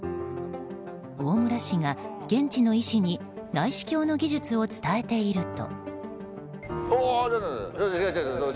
大村氏が、現地の医師に内視鏡の技術を伝えていると。